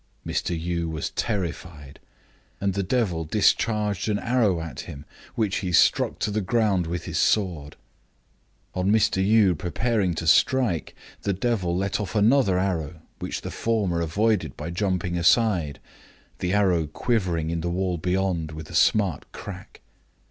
Mr. Yii was terrified; and the devil discharged an arrow at him which he struck to the ground with his sword. On Mr. Yii preparing to strike, the devil let off another arrow which the former avoided by jumping aside, the arrow quivering in the wall be yond with a smart crack.